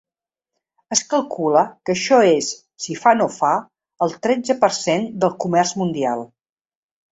Es calcula que això és, si fa no fa, el tretze per cent del comerç mundial.